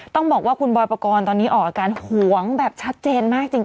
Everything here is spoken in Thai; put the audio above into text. ต้องบอกว่าคุณบอยปกรณ์ตอนนี้ออกอาการหวงแบบชัดเจนมากจริง